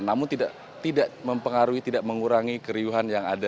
namun tidak mempengaruhi tidak mengurangi keriuhan yang ada